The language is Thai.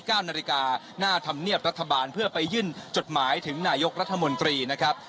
เก้านาฬิกาหน้าธรรมเนียบรัฐบาลเพื่อไปยื่นจดหมายถึงนายกรัฐมนตรีนะครับ